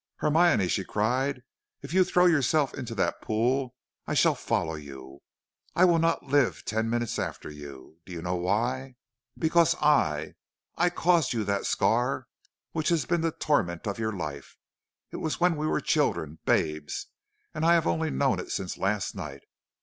"'Hermione,' she cried, 'if you throw yourself into that pool, I shall follow you. I will not live ten minutes after you. Do you know why? Because I I caused you that scar which has been the torment of your life. It was when we were children babes, and I have only known it since last night.